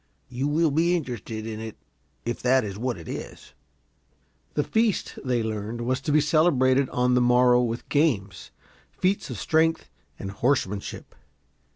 You will be interested in it, if that is what it is." The feast, they learned, was to be celebrated on the morrow with games, feats of strength and horsemanship.